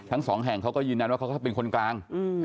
ทั้งสองแห่งเขาก็ยืนยันว่าเขาก็เป็นคนกลาง